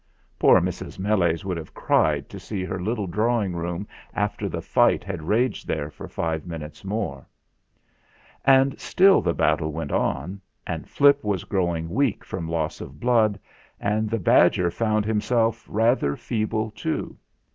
Poor Mrs. Meles would have cried to see her little drawing room after the fight had raged there for five minutes more. And still the battle went on, and Flip was growing weak from loss of blood, and the badger found himself rather feeble too.